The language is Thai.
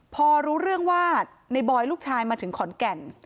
พอรู้เรื่องว่าในบอยลูกชายมาถึงขอนแก่น